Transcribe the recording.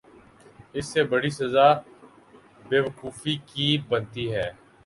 اس سے بڑی سزا بے وقوفی کی بنتی ہے۔